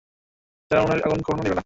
যাঁর উনূনের আগুন কখনো নিভে না।